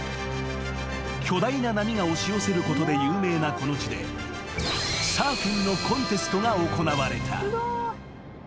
［巨大な波が押し寄せることで有名なこの地でサーフィンのコンテストが行われた］